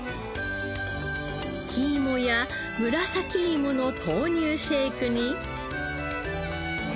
黄いもや紫いもの豆乳シェイクに。